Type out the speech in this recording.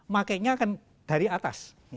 pakaiannya akan dari atas